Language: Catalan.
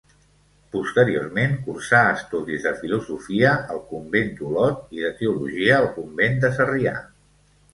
Posteriorment, cursà estudis de filosofia al convent d’Olot i de teologia al convent de Sarrià.